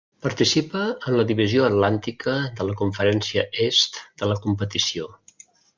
Participa en la Divisió Atlàntica de la Conferència Est de la competició.